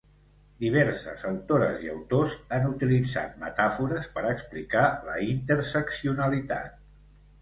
Diverses autores i autors han utilitzat metàfores per explicar la interseccionalitat.